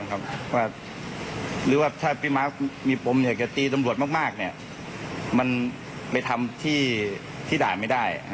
หรือว่าถ้าพี่มาร์คมีปมอยากจะตีตำรวจมากมันไปทำที่ด่านไม่ได้